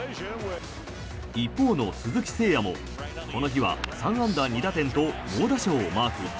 一方の鈴木誠也も、この日は３安打２打点と猛打賞をマーク。